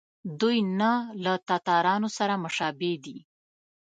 دوی نه له تاتارانو سره مشابه دي.